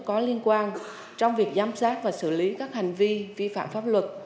có liên quan trong việc giám sát và xử lý các hành vi vi phạm pháp luật